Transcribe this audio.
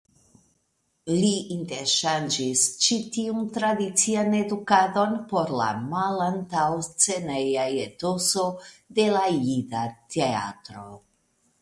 Li interŝanĝis ĉi tiun tradician edukadon por la malantaŭsceneja etoso de la jida teatro.